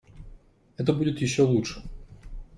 Это будет еще лучше.